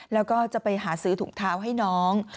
แล้วก็จะไปหาซื้อถุงเท้าให้น้อง